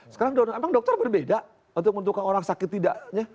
sekarang dokter berbeda untuk menentukan orang sakit tidaknya